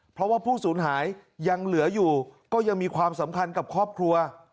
เพราะว่าผู้สูญหายยังเหลืออยู่ก็ยังมีความสำคัญกับครอบครัว